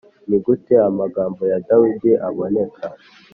ni gute amagambo ya Dawidi aboneka